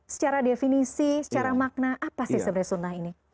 secara definisi secara makna apa sih sebenarnya sunnah ini